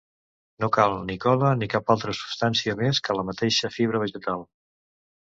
No cal ni cola ni cap altra substància més que la mateixa fibra vegetal.